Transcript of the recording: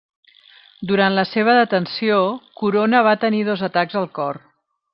Durant la seva detenció Corona va tenir dos atacs al cor.